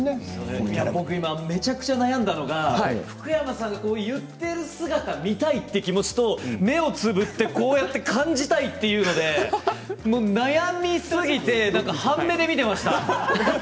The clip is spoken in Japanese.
今、僕が、めちゃくちゃ悩んだのが福山さんが言っている姿が見たいという気持ちと目をつぶって感じたいというので悩みすぎて半目で見ていました。